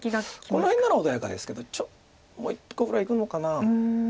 この辺なら穏やかですけどもう１個ぐらいいくのかな。